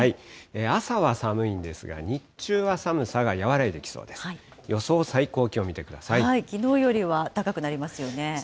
朝は寒いんですが、日中は寒さが和らいできそうです。